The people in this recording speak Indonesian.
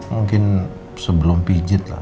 mungkin sebelum pijet lah